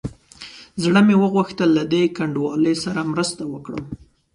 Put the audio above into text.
زړه مې وغوښتل له دې کنډوالې سره مرسته وکړم.